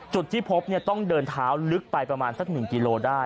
จุดที่พบต้องเดินเท้าลึกไปประมาณสัก๑กิโลได้